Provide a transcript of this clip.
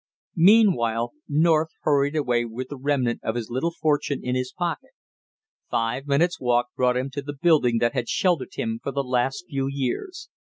Meanwhile North hurried away with the remnant of his little fortune in his pocket. Five minutes' walk brought him to the building that had sheltered him for the last few years.